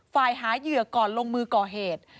หาเหยื่อก่อนลงมือก่อเหตุ